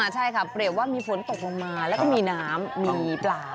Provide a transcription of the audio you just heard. ใช่ค่ะเปรียบว่ามีฝนตกลงมาแล้วก็มีน้ำมีปลา